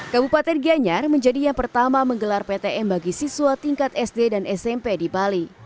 kabupaten gianyar menjadi yang pertama menggelar ptm bagi siswa tingkat sd dan smp di bali